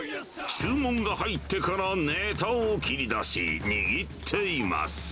注文が入ってからねたを切り出し、握っています。